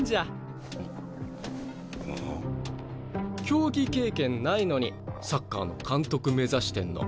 競技経験ないのにサッカーの監督目指してんの。